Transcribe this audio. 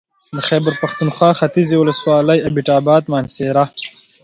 د خېبر پښتونخوا ختيځې ولسوالۍ اېبټ اباد مانسهره